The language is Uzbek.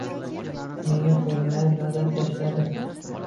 Menga xo’mrayib nazar tashlashadi.